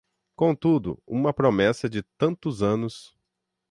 Contudo, uma promessa de tantos anos...